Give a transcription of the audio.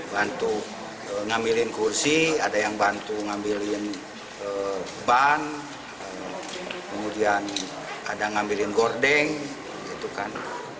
bantu ngambilin kursi ada yang bantu ngambilin ban kemudian ada ngambilin gordeng gitu kan